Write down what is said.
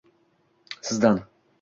Sizdan